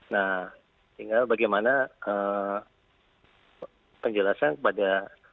nah tinggal bagaimana penjelasan kepada